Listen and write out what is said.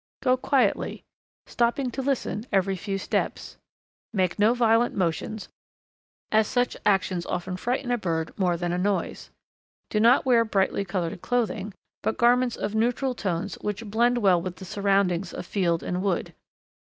Go quietly, stopping to listen every few steps. Make no violent motions, as such actions often frighten a bird more than a noise. Do not wear brightly coloured clothing, but garments of neutral tones which blend well with the surroundings of field and wood.